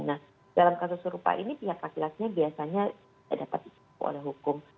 nah dalam kasus rupa ini pihak pihak biasanya tidak dapat isip oleh hukum